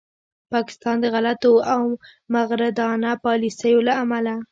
پاکستان د غلطو او مغرضانه پالیسیو له امله